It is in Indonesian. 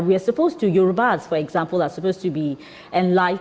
kita seharusnya yoruba misalnya kita seharusnya dipercaya